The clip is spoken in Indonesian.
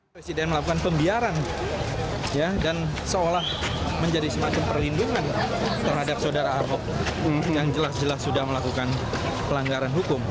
presiden melakukan pembiaran dan seolah menjadi semacam perlindungan terhadap saudara ahok yang jelas jelas sudah melakukan pelanggaran hukum